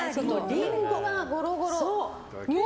リンゴがゴロゴロ。